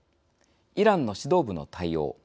イランの指導部の対応。